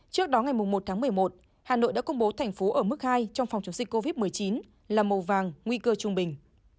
trước đó ngày một tháng một mươi một hà nội đã công bố thành phố ở mức hai trong phòng chống dịch covid một mươi chín là màu vàng nguy cơ trung bình